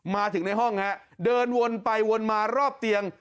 มาถึงในห้องฮะเดินวนไปวนมารอบเตียง